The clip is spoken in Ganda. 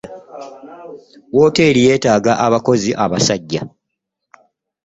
Wooteri yetaaga abakozi abasajja .